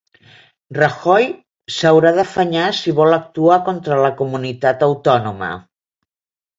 Rajoy s'haurà d'afanyar si vol actuar contra la comunitat autònoma